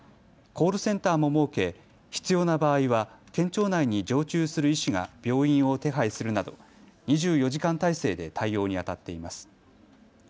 コールセンターも設け必要な場合は県庁内に常駐する医師が病院を手配するなど２４時間体制で対応にあたっています。